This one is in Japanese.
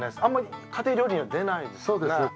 あんまり家庭料理には出ないですよね